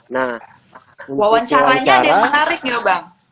wawancaranya ada yang menarik ya bang